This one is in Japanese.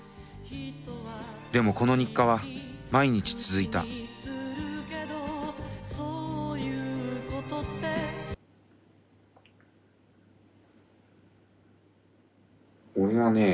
でもこの日課は毎日続いた俺はね